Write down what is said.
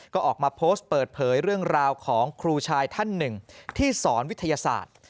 ก็ออกมาโพสต์เปิดเผยเรื่องราวของครูชายท่านหนึ่งที่สอนวิทยาศาสตร์